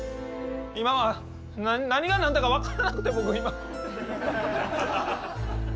今は何が何だか分からなくて僕今。